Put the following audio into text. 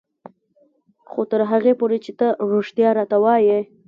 خو تر هغې پورې چې ته رښتيا راته وايې.